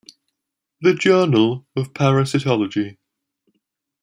The Journal of Parasitology.